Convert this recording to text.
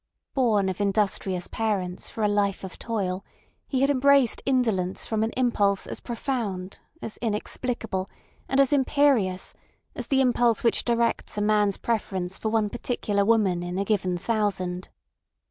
Born of industrious parents for a life of toil, he had embraced indolence from an impulse as profound as inexplicable and as imperious as the impulse which directs a man's preference for one particular woman in a given thousand.